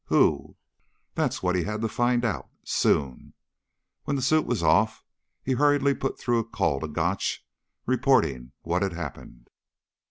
Who? That's what he had to find out soon! When the suit was off, he hurriedly put through a call to Gotch, reporting what had happened.